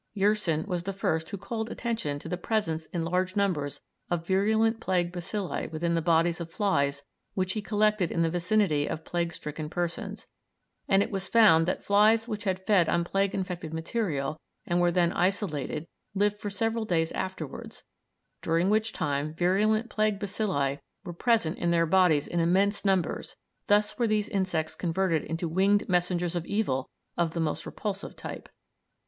Yersin was the first who called attention to the presence in large numbers of virulent plague bacilli within the bodies of flies which he collected in the vicinity of plague stricken persons, and it was found that flies which had fed on plague infected material and were then isolated lived for several days afterwards, during which time virulent plague bacilli were present in their bodies in immense numbers; thus were these insects converted into winged messengers of evil of the most repulsive type.